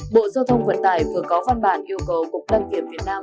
bộ giao thông vận tải vừa có văn bản yêu cầu cục đăng kiểm việt nam